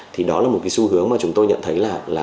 thì đó là một cái xu hướng mà chúng tôi nhận thấy là